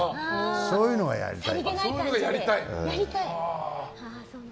そういうのがやりたい。